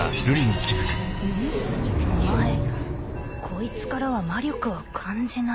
こいつからは魔力を感じない。